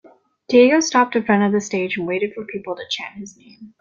Diego stopped in front of the stage and waited for people to chant his name.